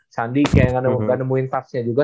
sandi kayak gak nemuin touch nya juga